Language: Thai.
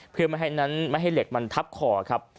เพื่อไม่ให้เหล็กมันทับขอครับ